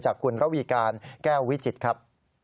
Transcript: คุณระวีการแก้ววิจิตรครับ